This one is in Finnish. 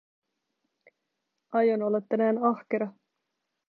Aion olla tänään ahkera.